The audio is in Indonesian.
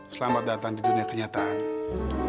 selamat datang di dunia kenyataan